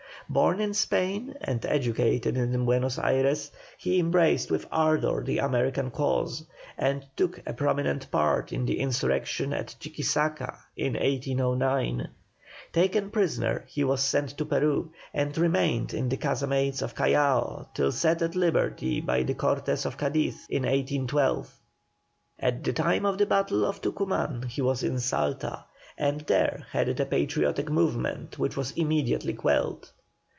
Born in Spain and educated in Buenos Ayres, he embraced with ardour the American cause, and took a prominent part in the insurrection at Chuquisaca in 1809. Taken prisoner, he was sent to Peru, and remained in the casemates of Callao till set at liberty by the Cortes of Cadiz in 1812. At the time of the battle of Tucuman he was in Salta, and there headed a patriotic movement which was immediately quelled.